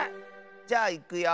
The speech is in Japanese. じゃあいくよ。